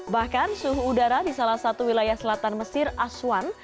bahkan suhu udara di salah satu wilayah selatan mesir aswan